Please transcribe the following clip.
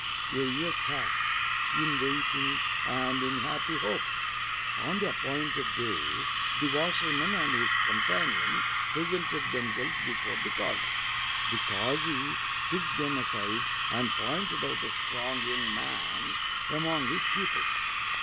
A year passed in waiting and in happy hopes. On the appointed day the washerman and his companion presented themselves before the kazi. The kazi took them aside and pointed out a strong young man among his pupils.